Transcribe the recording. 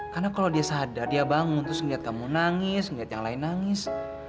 karena kalau dia sadar dia bangun terus ngeliat kamu nangis ngeliat yang lain nangis